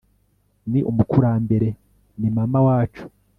ni umukurambere, ni mama wacu